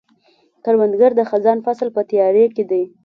کروندګر د خزان فصل په تیاري کې دی